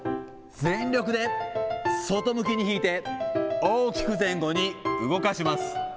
全力で、外向きに引いて、大きく前後に動かします。